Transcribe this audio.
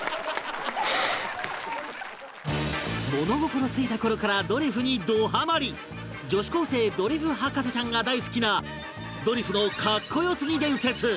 物心ついた頃からドリフにどハマり女子高生ドリフ博士ちゃんが大好きなドリフの格好良すぎ伝説